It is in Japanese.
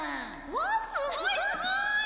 わあすごいすごーい！